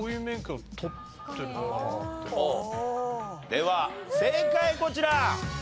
では正解こちら。